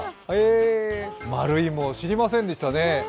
丸いも、知りませんでしたね。